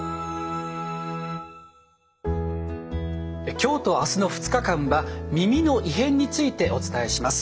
今日と明日の２日間は耳の異変についてお伝えします。